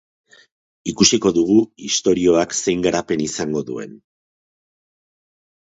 Ikusiko dugu istorioak zein garapen izango duen.